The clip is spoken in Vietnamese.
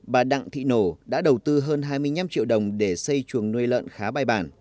bà đặng thị nổ đã đầu tư hơn hai mươi năm triệu đồng để xây chuồng nuôi lợn khá bài bản